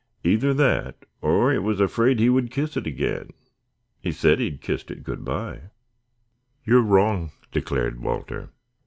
Either that or it was afraid he would kiss it again. He said he had kissed it good by." "You are wrong," declared Walter.